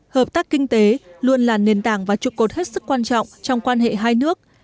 hợp tác kinh tế luôn là nền tảng và trụ cột hết sức quan trọng trong quan hệ hai nước